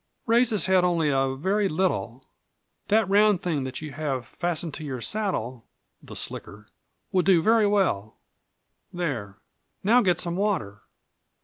"Raise his head only a very little. That round thing that you have fastened to your saddle (the slicker) would do very well. There. Now get some water!"